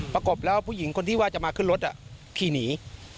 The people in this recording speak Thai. ประกบแล้วผู้หญิงคนที่ว่าจะมาขึ้นรถขี่หนี